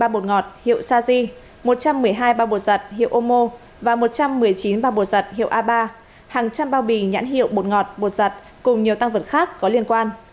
một trăm ba mươi ba bột ngọt hiệu saji một trăm một mươi hai ba bột giật hiệu omo và một trăm một mươi chín ba bột giật hiệu a ba hàng trăm bao bì nhãn hiệu bột ngọt bột giật cùng nhiều tăng vật khác có liên quan